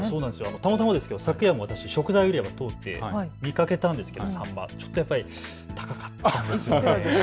たまたまですけど昨夜、私、食材売り場を通って見かけたんですけどちょっとやっぱり高かったですね。